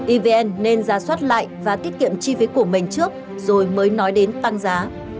evn nên ra soát lại và tiết kiệm chi phí của mình trước rồi mới nói đến tăng giá